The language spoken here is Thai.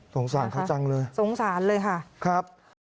สงสารเขาจังเลยครับ